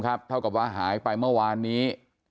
เท่ากับว่าหายไปเมื่อวานนี้